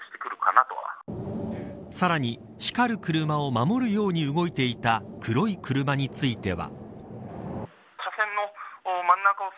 さらに、光る車を守るように動いていた黒い車については。